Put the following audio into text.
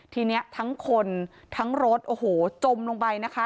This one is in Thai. ทีนี้ทั้งคนทั้งรถโอ้โหจมลงไปนะคะ